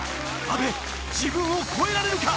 阿部自分を超えられるか？